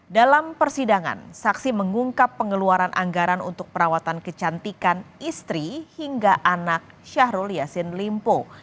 dalam persidangan saksi mengungkap pengeluaran anggaran untuk perawatan kecantikan istri hingga anak syahrul yassin limpo